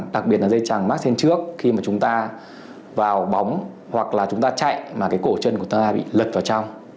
đặc biệt là dây trằng mát trên trước khi mà chúng ta vào bóng hoặc là chúng ta chạy mà cái cổ chân của ta bị lật vào trong